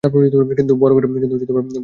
কিন্তু বড়ো ঘরের মেয়ে চাই।